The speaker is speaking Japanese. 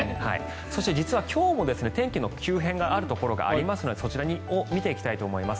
そして、実は今日も天気の急変があるところがありますのでそちらを見ていきたいと思います。